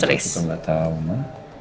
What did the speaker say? aku juga gak tau ma